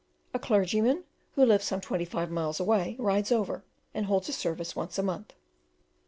A clergyman, who lives some twenty five miles away, rides over and holds service once a month.